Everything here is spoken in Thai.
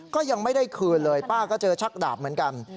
ก็ยังไม่ได้คืนเลยป้าก็เจอชักดาบเหมือนกัน